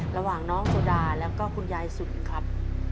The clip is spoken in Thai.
ระหว่างน้องโซดาแล้วก็คุณยายสุนครับ